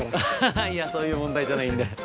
あははいやそういう問題じゃないんで。